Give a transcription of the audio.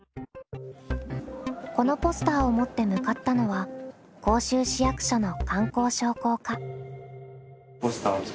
このポスターを持って向かったのは甲州市役所の観光商工課。